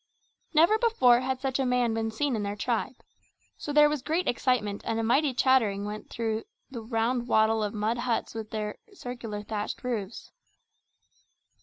Never before had such a man been seen in their tribe. So there was great excitement and a mighty chattering went through the round wattle of mud huts with their circular thatched roofs.